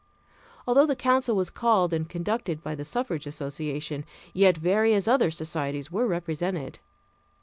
Although the council was called and conducted by the suffrage association, yet various other societies were represented.